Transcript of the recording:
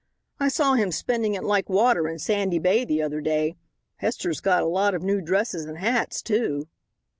"I saw him spending it like water in Sandy Bay the other day. Hester's got a lot of new dresses and hats, too."